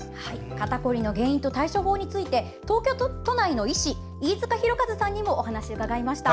肩凝りの原因と対処法について東京都内の医師飯塚弘一さんにもお話を伺いました。